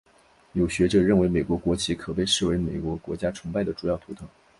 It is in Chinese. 有学者认为美国国旗可被视为美国国家崇拜的主要图腾。